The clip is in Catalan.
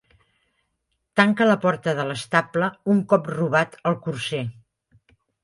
Tanca la porta de l'estable un cop robat el corser